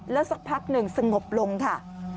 แล้วสักพักหนึ่งสงบลงค่ะ